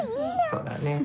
・そうだね。